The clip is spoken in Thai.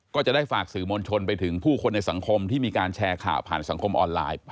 ก็จะได้ฝากสื่อมวลชนไปถึงผู้คนในสังคมที่มีการแชร์ข่าวผ่านสังคมออนไลน์